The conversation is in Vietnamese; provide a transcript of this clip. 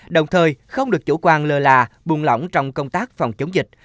đồng thời không được chủ quan lờ là buồn lỏng trong công tác phòng chống dịch